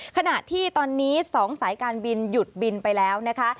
ขณะที่ตอนนี้๒สายการบินหยุดบินไปแล้วนะคะ